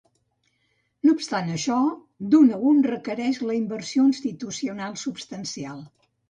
No obstant això, d'un a un requereix la inversió institucional substancial.